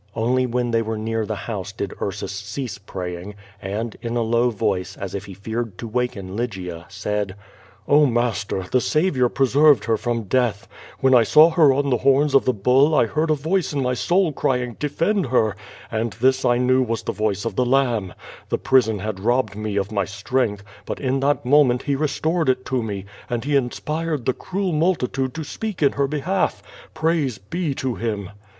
Only when they were near the house did Ursus cease praying, and, in a low voice, as if he feared to waken Lygia, said: "Oh, master, the Saviour preser\'ed her from death. Wlien I saw her on the horns of the bull I heard a voice in my soul crying, 'Defend her,' and this I knew was the voice of the Ijamb. The prison had robbed me of my strength, but in that moment He restored it to me, and He inspired the cruel multitude to speak in her behalf. Praise be to Him."